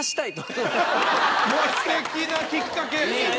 すてきなきっかけ。